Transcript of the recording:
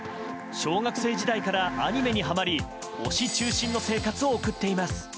小学生時代からアニメにハマり推し中心の生活を送っています。